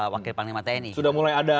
wakil panglima tni sudah mulai ada